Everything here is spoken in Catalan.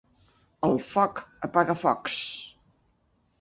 El foc apaga focs.